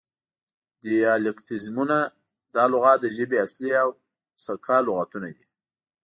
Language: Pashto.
دیالیکتیزمونه: دا لغات د ژبې اصلي او سکه لغتونه دي